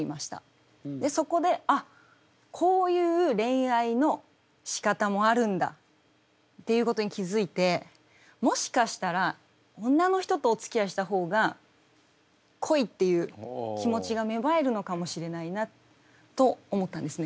そこで「あっこういう恋愛のしかたもあるんだ」っていうことに気付いてもしかしたら女の人とおつきあいした方が恋っていう気持ちが芽生えるのかもしれないなと思ったんですね。